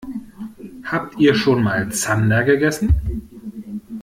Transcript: Habt ihr schon mal Zander gegessen?